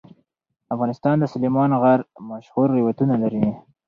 افغانستان د سلیمان غر مشهور روایتونه لري.